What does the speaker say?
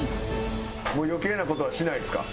もう余計な事はしないですか？